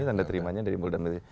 ini tanda terimanya dari muldan metri